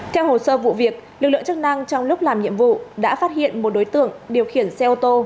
theo hồ sơ vụ việc lực lượng chức năng trong lúc làm nhiệm vụ đã phát hiện một đối tượng điều khiển xe ô tô